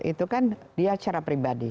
itu kan dia secara pribadi